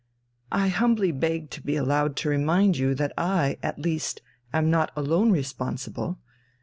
"I humbly beg to be allowed to remind you that I, at least, am not alone responsible.